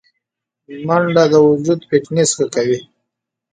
منډه د وجود فټنس ښه کوي